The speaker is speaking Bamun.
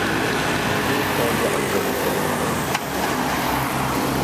Mû ka ya’ njem tèt mfé nké.